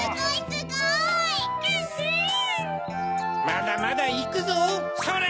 まだまだいくぞそれ！